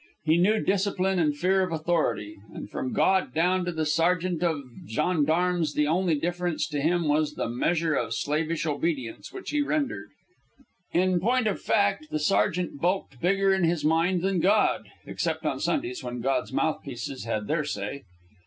He knew discipline and fear of authority, and from God down to the sergeant of gendarmes the only difference to him was the measure of slavish obedience which he rendered. In point of fact, the sergeant bulked bigger in his mind than God, except on Sundays when God's mouthpieces had their say.